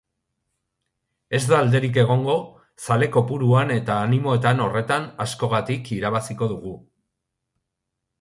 Ez da alderik egongo zale kpouruan eta animoetan, horretan askogatik irabaziko dugu.